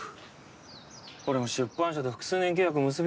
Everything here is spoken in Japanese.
俺も出版社と複数年契約結びてえ。